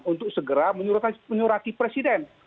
untuk segera menyurati presiden